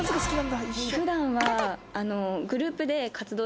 普段は。